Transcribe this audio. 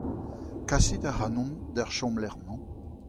Kasit ac'hanon d'ar chomlec'h-mañ